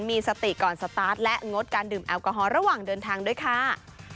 มีสติก่อนสตาร์ทและงดการดื่มแอลกอฮอลระหว่างเดินทางด้วยค่ะ